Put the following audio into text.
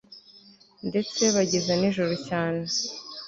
ndetse bageza nijoro cyane